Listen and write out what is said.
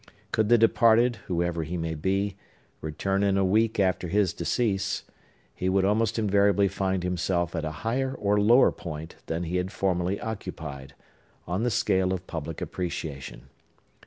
Could the departed, whoever he may be, return in a week after his decease, he would almost invariably find himself at a higher or lower point than he had formerly occupied, on the scale of public appreciation.